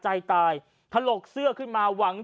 ชาวบ้านญาติโปรดแค้นไปดูภาพบรรยากาศขณะ